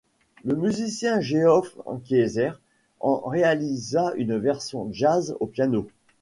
Le musicien Geoff Keezer en réalisa une version jazz au piano.